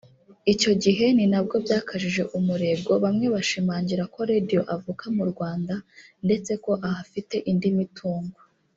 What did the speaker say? Icyo gihe ni nabwo byakajije umurego bamwe bashimangira ko ‘Radio avuka mu Rwanda’ ndetse ko ahafite indi mitungo